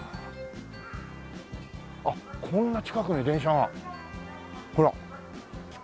あっこんな近くに電車が。ほら。